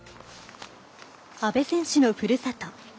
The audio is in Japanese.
阿部選手のふるさと